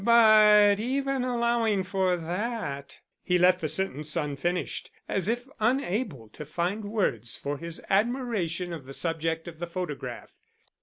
"But even allowing for that" he left the sentence unfinished, as if unable to find words for his admiration of the subject of the photograph.